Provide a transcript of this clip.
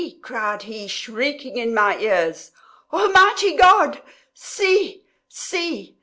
cried he, shrieking in my ears, "Almighty God! see! see!"